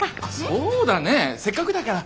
そうだねせっかくだから。